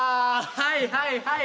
はいはいはい。